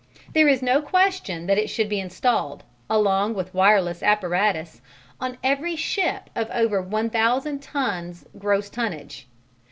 There is no question that it should be installed, along with wireless apparatus, on every ship of over 1000 tons gross tonnage.